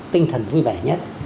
tinh thần vui vẻ nhất